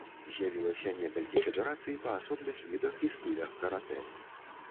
З'явілася некалькі федэрацый па асобных відах і стылях каратэ.